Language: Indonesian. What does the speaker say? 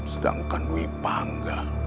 sedangkan dwi pangga